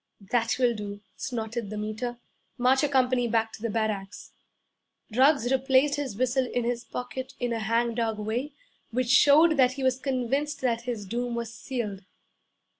'That will do.' snorted the Meter. 'March your company back to barracks!' Ruggs replaced his whistle in his pocket in a hang dog way which showed that he was convinced that his doom was sealed.